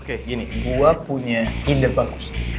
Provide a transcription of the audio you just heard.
oke gini gue punya ide bagus